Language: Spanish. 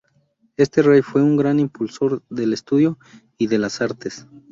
Este rey fue un gran impulsor del estudio y de las artes.